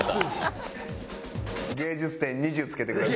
芸術点２０つけてください。